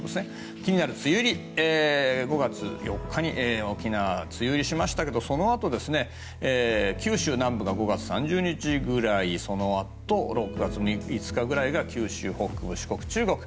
気になる梅雨入り、５月４日に沖縄は梅雨入りしましたがそのあと九州南部が５月３０日くらいそのあと６月５日ぐらいが九州四国、中国。